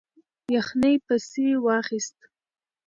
یخنۍ پسې واخیست.